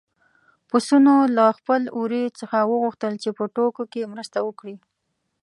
پسونو له خپل وري څخه وغوښتل چې په ټوکو کې مرسته وکړي.